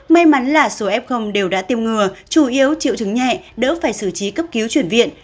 may mắn là số f đều đã tiêm ngừa chủ yếu triệu chứng nhẹ đỡ phải xử trí cấp cứu chuyển viện